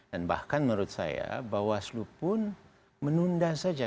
dan bahkan menurut saya bahwa selupun menunda saja